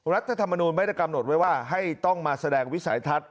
รัฐธรรมนูลไม่ได้กำหนดไว้ว่าให้ต้องมาแสดงวิสัยทัศน์